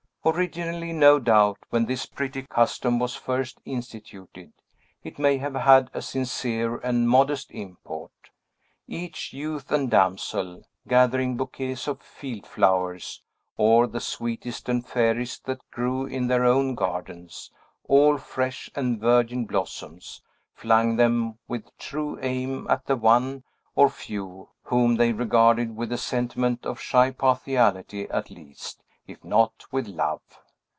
Originally, no doubt, when this pretty custom was first instituted, it may have had a sincere and modest import. Each youth and damsel, gathering bouquets of field flowers, or the sweetest and fairest that grew in their own gardens, all fresh and virgin blossoms, flung them with true aim at the one, or few, whom they regarded with a sentiment of shy partiality at least, if not with love.